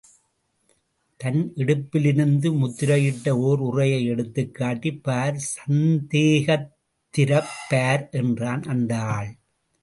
தன் இடுப்பிலிருந்து, முத்திரையிட்ட ஓர் உறையை எடுத்துக்காட்டி, பார், சந்தேகந்திரப் பார் என்றான் அந்த ஆள்.